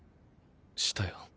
したよ。